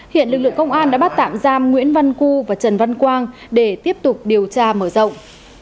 hiện lực lượng công an đã bắt tạm giam nguyễn văn cư và trần văn quang để tiếp tục điều tra mở rộng